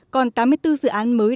còn tám mươi bốn dự án mới